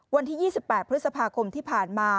วันที่๒๘พฤษภาคมที่ผ่านมา